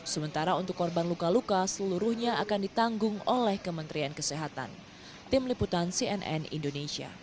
sementara untuk korban luka luka seluruhnya akan ditanggung oleh kementerian kesehatan